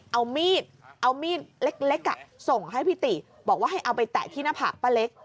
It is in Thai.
เอามีดเอามีดเล็กส่งให้พี่ติบอกว่าให้เอาไปแตะที่หน้าผากป้าเล็ก